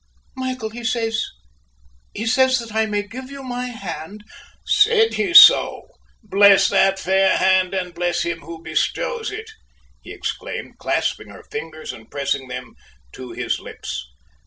"Michael, he says he says that I may give you my hand " "Said he so! Bless that fair hand, and bless him who bestows it!" he exclaimed, clasping her fingers and pressing them to his lips.